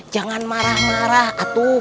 jangan marah marah atuh